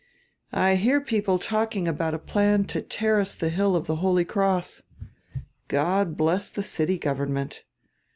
"I hear people talking about a plan to terrace die Hill of die Holy Cross. God bless die city government!